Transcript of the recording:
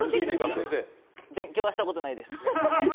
勉強はしたことないです。